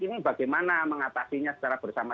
ini bagaimana mengatasinya secara bersama